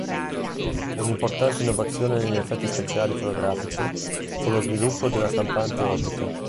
Un'importante innovazione negli effetti speciali fotografici fu lo sviluppo della stampante ottica.